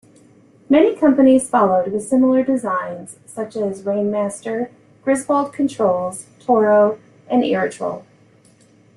Many companies followed with similar designs, such as Rainmaster, Griswold Controls, Toro, and Irritrol.